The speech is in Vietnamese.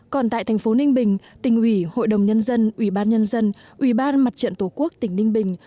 còn tại thành phố ninh bình tỉnh ủy hội đồng nhân dân ubnd ubnd mặt trận tổ quốc tỉnh ninh bình